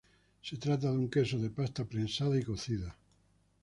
Se trata de un queso de pasta prensada y cocida.